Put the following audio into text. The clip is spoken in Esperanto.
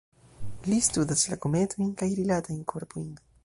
Li studas la kometojn kaj rilatajn korpojn.